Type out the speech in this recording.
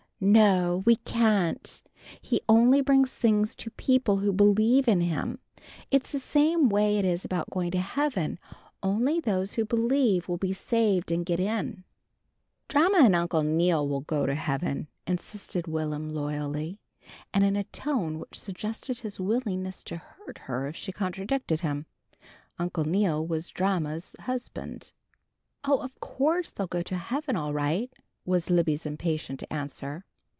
"No, we can't! He only brings things to people who bleeve in him. It's the same way it is about going to Heaven. Only those who bleeve will be saved and get in." "Dranma and Uncle Neal will go to Heaven," insisted Will'm loyally, and in a tone which suggested his willingness to hurt her if she contradicted him. Uncle Neal was "Dranma's" husband. "Oh, of course, they'll go to Heaven all right," was Libby's impatient answer.